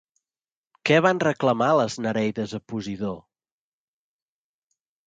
Què van reclamar les Nereides a Posidó?